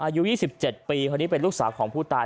อายุยี่สิบเจ็ดปีพอดีเป็นลูกสาวของผู้ตาย